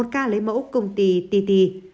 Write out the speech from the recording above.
một ca lấy mẫu công ty titi